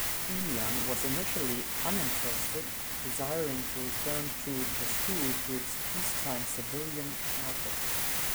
Killian was initially uninterested, desiring to return the school to its peacetime civilian charter.